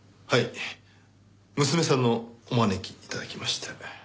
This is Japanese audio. はい娘さんのお招き頂きまして。